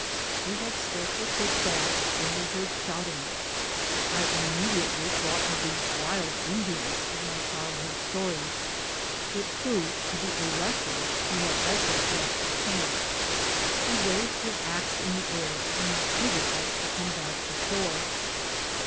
We had scarcely pushed off when we heard shout ing. I immediately thought of the "wild Indians" of my childhood stories. It proved to be a Rus sian who also had left the camp. He waved his ax in the air and entreated us to come back to shore.